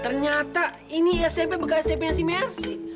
ternyata ini smp bukan smpnya si mercy